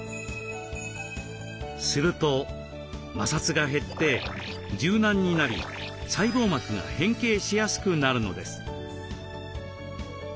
すると摩擦が減って柔軟になり細胞膜が変形しやすくなるのです。